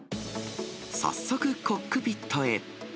早速、コックピットへ。